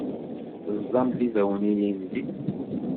Teẓẓamt ibawen ilindi?